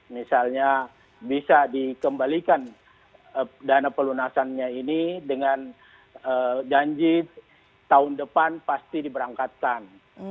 misalnya bisa dikembalikan dana pelunasannya ini dengan janji tahun depan pasti diberangkatkan